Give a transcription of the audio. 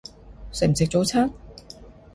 食唔食早餐？